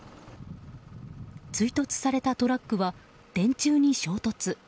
追突されたトラックは電柱に衝突。